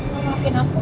mbak maafin aku